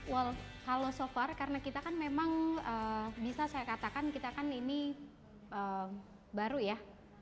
well kalau so far karena kita kan memang bisa saya katakan kita kan ini baru ya